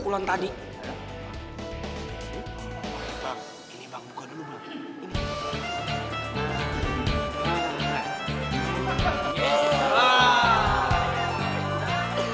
nah tapi alhamdulillah gak setengah